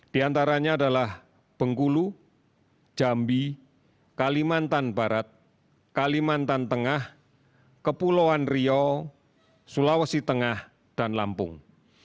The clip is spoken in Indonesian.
di antaranya adalah bengkulu jambi kalimantan barat kalimantan tengah kepulauan riau sulawesi tengah dan lampung